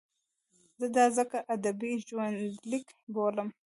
زه دا ځکه ادبي ژوندلیک بولم.